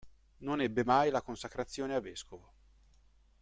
Non ebbe mai la consacrazione a vescovo.